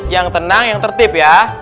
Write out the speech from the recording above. yang tenang yang tertib ya